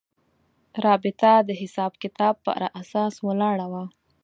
رابطه د حساب کتاب پر اساس ولاړه وه.